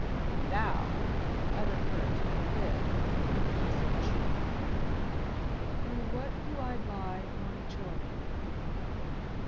But thou and the other curs may live, if ye so choose." "Through what do I buy my choice?"